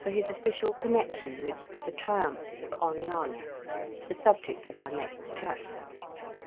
his official connection with "The Triumphs of Oriana," the subject of our next chapter.